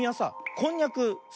こんにゃくすき？